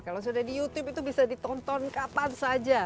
kalau sudah di youtube itu bisa ditonton kapan saja